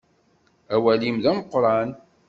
Awal-im d ameqqran.